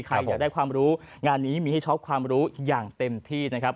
ใครอยากได้ความรู้งานนี้มีให้ช็อปความรู้อย่างเต็มที่นะครับ